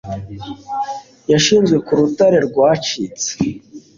Yashizwe ku rutare rwacitse